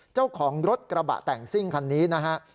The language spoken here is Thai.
เจ้าของรถกระบะแต่งซิ่งคันนี้นะฮะ